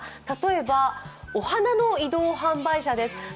例えばお花の移動販売車です。